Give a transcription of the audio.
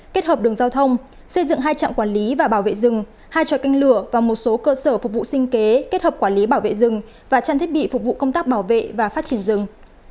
kết hợp đường giao thông xây dựng hai trạm quản lý và bảo vệ rừng hai tròi canh lửa và một số cơ sở phục vụ sinh kế kết hợp quản lý bảo vệ rừng và trang thiết bị phục vụ công tác bảo vệ và phát triển rừng